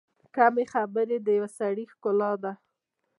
کمې خبرې، د پوه سړي ښکلا ده.